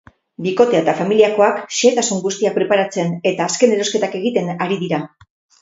Bikotea eta familiakoak xehetasun guztiak preparatzen eta azken erosketak egiten ari dira.